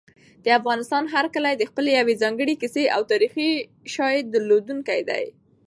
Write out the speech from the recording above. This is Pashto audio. د افغانستان هر کلی د خپلې یوې ځانګړې کیسې او تاریخي شاليد درلودونکی دی.